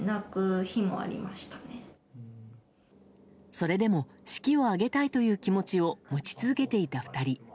それでも式を挙げたいという気持ちを持ち続けていた２人。